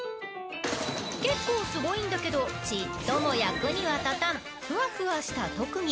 結構すごいんだけどちっとも役には立たんふわふわした特技。